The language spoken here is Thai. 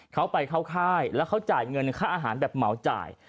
เขาไปเข้าค่ายแล้วเขาจ่ายเงินค่าอาหารแบบเหมาจ่าย